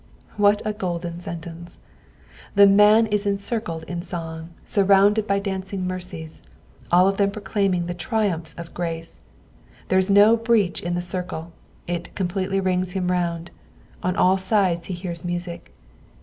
''^ What a golden sentence ! The man is encircled in song, sivrounded by dancing mercies, all of them proclaiming the triumphs of {(race. Th^e is no breach in the circle, it completely rings him round ; on all sides he hears music.